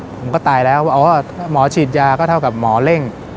ผมก็ตายแล้วว่าอ๋อหมอฉีดยาก็เท่ากับหมอเร่ง